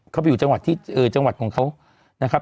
เขาไปอยู่จังหวัดที่จังหวัดของเขานะครับ